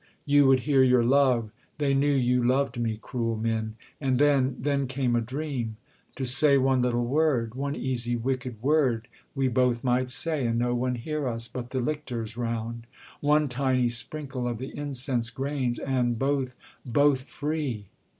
You would hear your love They knew you loved me, cruel men! And then Then came a dream; to say one little word, One easy wicked word, we both might say, And no one hear us, but the lictors round; One tiny sprinkle of the incense grains, And both, both free!